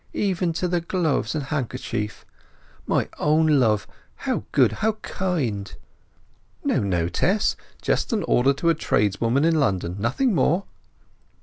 "Even to the gloves and handkerchief! My own love—how good, how kind!" "No, no, Tess; just an order to a tradeswoman in London—nothing more."